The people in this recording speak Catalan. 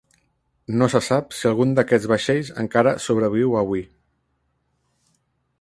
No se sap si algun d'aquest vaixells encara sobreviu avui.